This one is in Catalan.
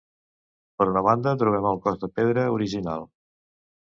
Per una banda, trobem el cos de pedra original.